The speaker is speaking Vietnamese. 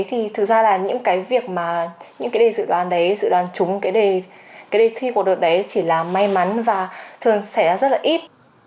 thì thực ra là những cái việc mà những cái đề dự đoán đấy dự đoán chúng cái đề thi của đợt đấy chỉ là may mắn và thường xảy ra rất là ít